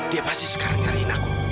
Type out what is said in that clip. dia pasti sekarang nyariin aku